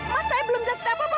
mas saya belum jelasin apa apa